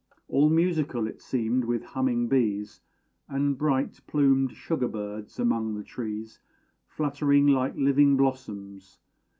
All musical it seemed with humming bees; And bright plumed sugar birds among the trees Fluttered like living blossoms.